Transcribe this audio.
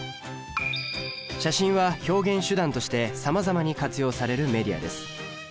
写真は表現手段としてさまざまに活用されるメディアです。